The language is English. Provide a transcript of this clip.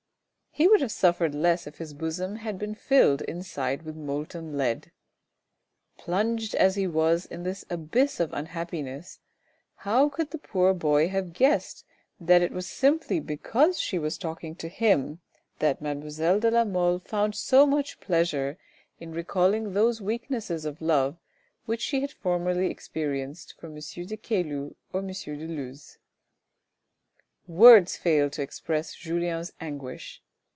He would have suffered less if his bosom had been filled inside with molten lead. Plunged as he was in this abyss of unhappiness how could the poor boy have guessed that it was simply because she was talking to him, that mademoiselle de la Mole found so much pleasure in recalling those weaknesses of love which she had formerly experienced for M. de Caylus or M. de Luz. Words fail to express J ulien's anguish.